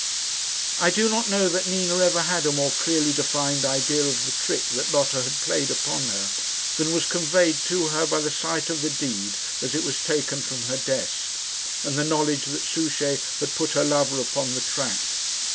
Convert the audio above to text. I do not know that Nina ever had a more clearly defined idea of the trick that Lotta had played upon her, than was conveyed to her by the sight of the deed as it was taken from her desk, and the knowledge that Souchey had put her lover upon the track.